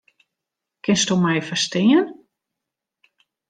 Kinsto my ferstean?